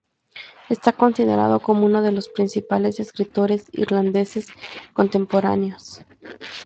Está considerado como uno de los principales escritores irlandeses contemporáneos.